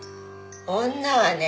女はね